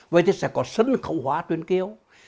vậy thì sẽ có sân khẩu hóa truyền kiều